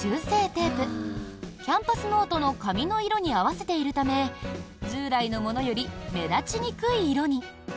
テープキャンパスノートの紙の色に合わせているため従来のものより目立ちにくい色に。